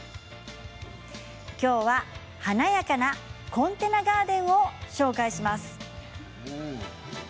今日は華やかなコンテナガーデンを紹介します。